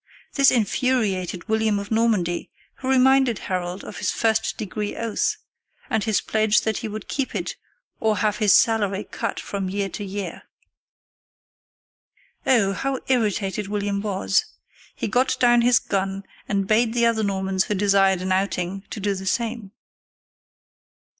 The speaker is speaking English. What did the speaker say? This infuriated William of Normandy, who reminded Harold of his first degree oath, and his pledge that he would keep it "or have his salary cut from year to year." Oh, how irritated William was! He got down his gun, and bade the other Normans who desired an outing to do the same.